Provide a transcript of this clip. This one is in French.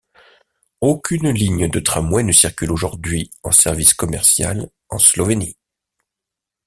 Aucune ligne de tramway ne circule aujourd'hui en service commercial en Slovénie.